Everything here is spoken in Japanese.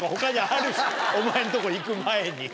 お前んとこ行く前に。